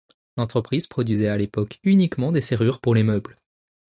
L'entreprise produisait à l'époque uniquement des serrures pour les meubles.